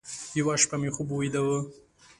یوه شپه مې خوب ویده و،